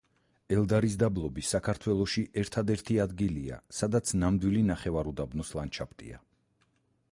ელდარის დაბლობი საქართველოში ერთადერთი ადგილია, სადაც ნამდვილი ნახევარუდაბნოს ლანდშაფტია.